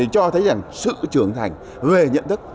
cho thấy sự trưởng thành về nhận thức